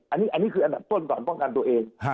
อันนี้คืออันดับต้นก่อนป้องกันตัวเอง